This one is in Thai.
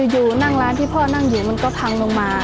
อยู่ร้านที่พ่อนั่งอยู่ก็ต่ำลงมา